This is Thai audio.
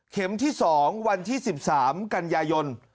ที่๒วันที่๑๓กันยายน